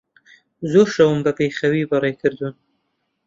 زۆر شەوم بەبێخەوی بەڕێ کردوون.